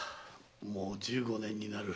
もう十五年になる。